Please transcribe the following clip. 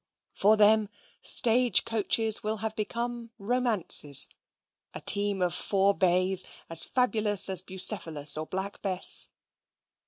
For them stage coaches will have become romances a team of four bays as fabulous as Bucephalus or Black Bess.